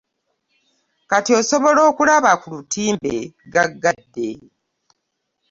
Kati osobola okulaba ku lutimbe gagadde.